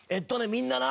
みんなな